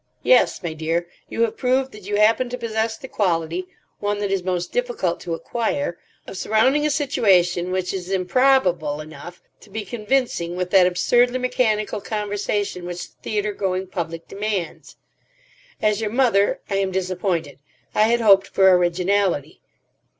Yes, my dear, you have proved that you happen to possess the quality—one that is most difficult to acquire—of surrounding a situation which is improbable enough to be convincing with that absurdly mechanical conversation which the theatre going public demands. As your mother, I am disappointed. I had hoped for originality.